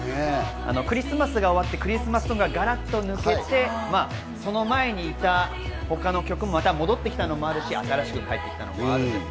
クリスマスが終わってクリスマスソングがガラっと抜けて、その前にいたほかの曲もまた戻ってきたのもあるし、新しく入ってきたのもあります。